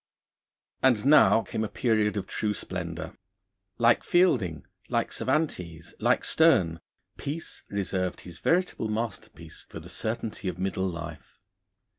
And now came a period of true splendour. Like Fielding, like Cervantes, like Sterne, Peace reserved his veritable masterpiece for the certainty of middle life.